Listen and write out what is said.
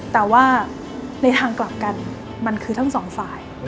แต่ว่าในทางกลับกันมันคือทั้งสองฝ่าย